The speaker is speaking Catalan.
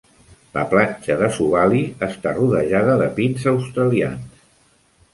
La platja de Suvali està rodejada de pins australians.